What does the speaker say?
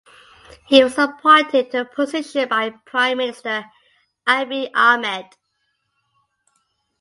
He was appointed to the position by Prime Minister Abiy Ahmed.